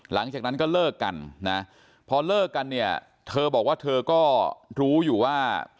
หลังจากนั้นก็เลิกกันนะพอเลิกกันเนี่ยเธอบอกว่าเธอก็รู้อยู่ว่า